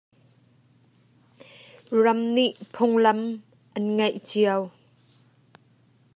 Ram nih phunglam an i ngeih cio.